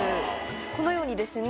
このようにですね